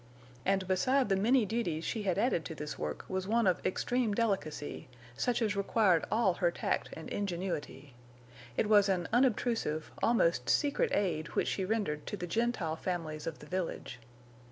And beside the many duties she had added to this work was one of extreme delicacy, such as required all her tact and ingenuity. It was an unobtrusive, almost secret aid which she rendered to the Gentile families of the village.